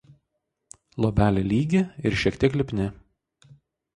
Luobelė lygi ir šiek tiek lipni.